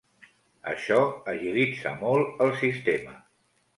Això agilitza molt el sistema.